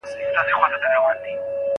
څېړونکی باید د لیکلو لوړ مهارت ولري.